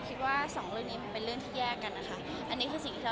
จากนี้ป่ะหรือว่าจะเลิกหรือเปล่า